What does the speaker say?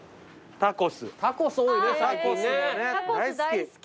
タコス大好き。